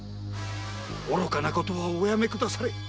愚かなことはお止めくだされ。